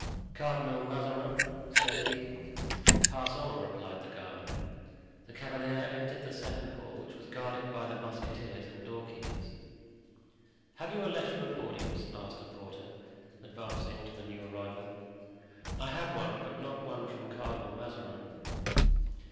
"Cardinal Mazarin?" said he. "Pass on," replied the guard. The cavalier entered the second hall, which was guarded by the musketeers and doorkeepers. "Have you a letter of audience?" asked a porter, advancing to the new arrival. "I have one, but not one from Cardinal Mazarin."